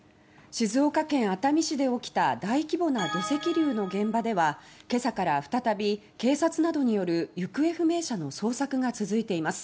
静岡県熱海市で起きた大規模な土石流の現場ではけさから再び、警察などによる行方不明者の捜索が続いています